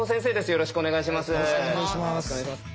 よろしくお願いします。